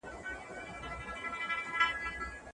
ټپونه باید ژر تر ژره پاک شي.